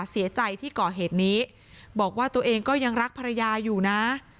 เสียใจที่ก่อเหตุนี้บอกว่าตัวเองก็ยังรักภรรยาอยู่นะ